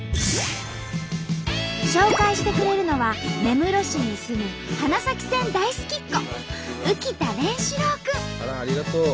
紹介してくれるのは根室市に住むあらありがとう！